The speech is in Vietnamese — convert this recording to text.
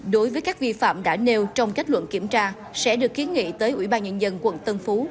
đối với các vi phạm đã nêu trong kết luận kiểm tra sẽ được kiến nghị tới ủy ban nhân dân quận tân phú